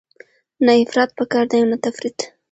نه افراط پکار دی او نه تفریط.